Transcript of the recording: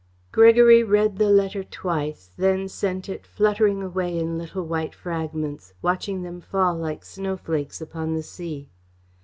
Gregory read the letter twice, then sent it fluttering away in little white fragments, watching them fall like snowflakes upon the sea.